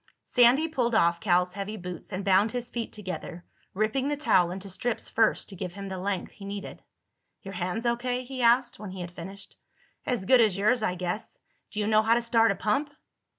Sandy pulled off Cal's heavy boots and bound his feet together, ripping the towel into strips first to give him the length he needed. "Your hands O.K.?" he asked when he had finished. "As good as yours, I guess. Do you know how to start a pump?"